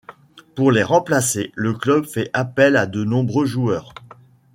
Pour les remplacer, le club fait appel à de nombreux joueurs.